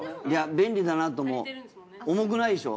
いや便利だなと思う。